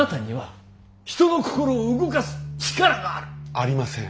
ありません。